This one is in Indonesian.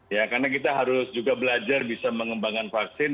ya karena kita harus juga belajar bisa mengembangkan vaksin